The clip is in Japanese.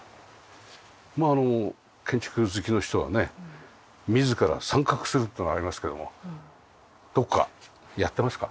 まあ建築好きの人はね自ら参画するってのはありますけどもどこかやってますか？